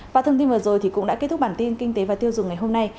và thông tin vừa rồi cũng đã kết thúc bản tin kinh tế và tiêu dùng ngày hôm nay